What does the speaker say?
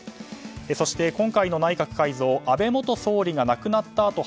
そして、今回の内閣改造安倍元総理が亡くなったあと